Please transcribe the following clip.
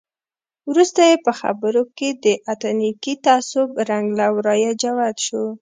وروسته یې په خبرو کې د اتنیکي تعصب رنګ له ورایه جوت شو.